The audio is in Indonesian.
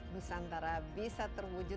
nusantara bisa terwujud